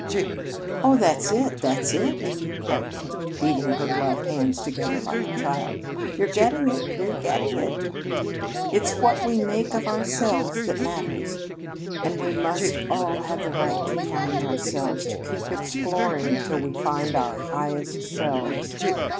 "Oh, that's it! That's it!" cried Kate, beating her gloved hands together like a child. "You're getting it! You're getting it! It's what we make of ourselves that matters, and we must all have the right to find ourselves to keep exploring till we find our highest selves.